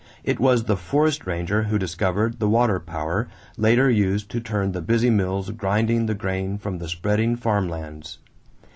It was the forest ranger who discovered the water power later used to turn the busy mills grinding the grain from the spreading farm lands.